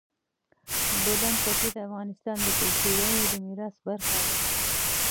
د بولان پټي د افغانستان د کلتوري میراث برخه ده.